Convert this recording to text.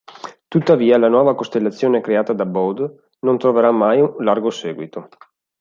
Tuttavia, la nuova costellazione creata da Bode non trovò mai largo seguito.